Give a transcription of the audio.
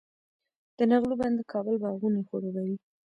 د نغلو بند د کابل باغونه خړوبوي.